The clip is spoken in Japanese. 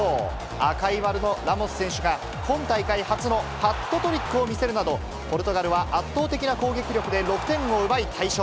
赤い丸のラモス選手が今大会初のハットトリックを見せるなど、ポルトガルは圧倒的な攻撃力で６点を奪い、大勝。